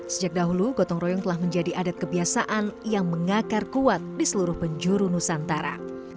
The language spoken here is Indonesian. sejak dahulu gotong royong telah menjadi adat kebiasaan yang mengakar kuat di seluruh penjuru nusantara